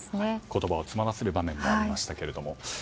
言葉を詰まらせる場面もありましたけれども。